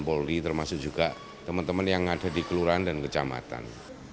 polri termasuk juga teman teman yang ada di kelurahan dan kecamatan